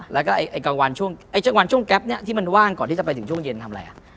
แล้วก็กลางวันช่วงวันช่วงแก๊ปนี้ที่มันว่างก่อนที่จะไปถึงช่วงเย็นทำอะไร